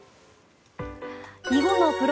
囲碁のプロ